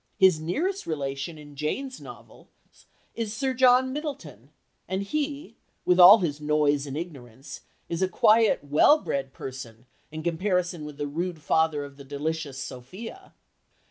His nearest relation in Jane's novels is Sir John Middleton, and he, with all his noise and ignorance, is a quiet, well bred person in comparison with the rude father of the delicious Sophia.